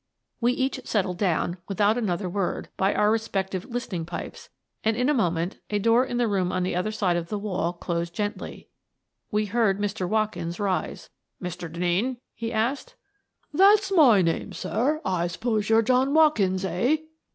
12 Miss Frances Baird, Detective ss We each settled down, without another word, by our respective " Listening Pipes," and, in a mo ment, a door in the room on the other side of the wall closed gently. We heard Mr. Watkins rise. " Mr. Denneen? " he asked. " That's my name, sir. I suppose you're John Watkins, eh?"